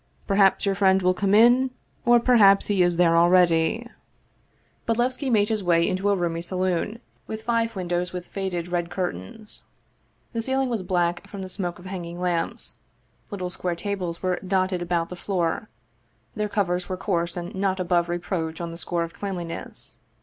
" Perhaps your friend will come in, or perhaps he is there already/' Bodlevski made his way into a roomy saloon, with five windows with faded red curtains. The ceiling was black from the smoke of hanging lamps ; little square tables were dotted about the floor; their covers were coarse and not above reproach on the score of cleanliness.